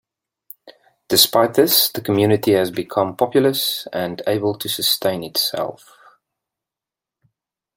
Despite this, the community has become populous and able to sustain itself.